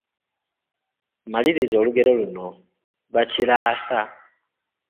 Maliriza olugero luno: Bakiraasa, …..